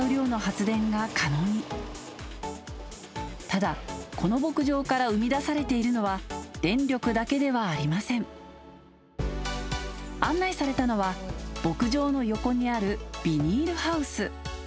ただこの牧場から生み出されているのは案内されたのは牧場の横にあるビニールハウス。